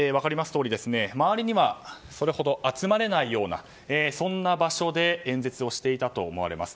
とおり周りにはそれほど集まれないようなそんな場所で演説をしていたと思われます。